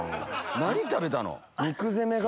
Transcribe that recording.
何食べたの？